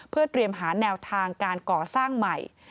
เพื่อเตรียมหาแนวทางการก่อสร้างใหม่